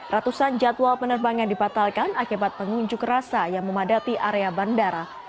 ratusan jadwal penerbangan dibatalkan akibat pengunjuk rasa yang memadati area bandara